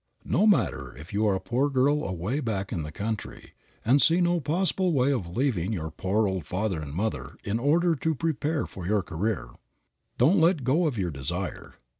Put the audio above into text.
No matter if you are a poor girl away back in the country, and see no possible way of leaving your poor old father and mother in order to prepare for your career, don't let go of your desire.